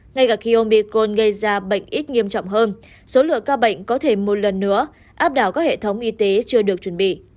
ngay cả khi ông bicron gây ra bệnh ít nghiêm trọng hơn số lượng ca bệnh có thể một lần nữa áp đảo các hệ thống y tế chưa được chuẩn bị